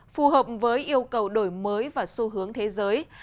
phù hợp với yêu cầu đổi mới và xu hướng thế giới